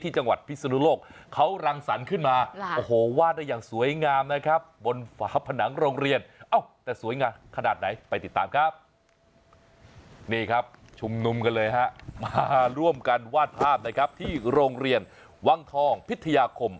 นี่ครับชุมนุมกันเลยฮะมาร่วมกันวาดภาพนะครับที่โรงเรียนวังทองพิทยาคม